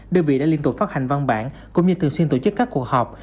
đơn vị đã liên tục phát hành văn bản cũng như thường xuyên tổ chức các cuộc họp